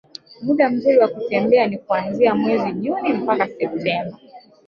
Muda mzuri wa kutembelea ni kuanzia mwezi Juni mpaka Septemba